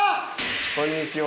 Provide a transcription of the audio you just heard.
こんにちは。